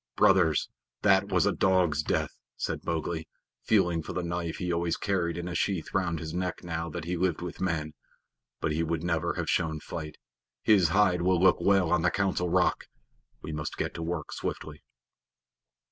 "Brothers, that was a dog's death," said Mowgli, feeling for the knife he always carried in a sheath round his neck now that he lived with men. "But he would never have shown fight. His hide will look well on the Council Rock. We must get to work swiftly."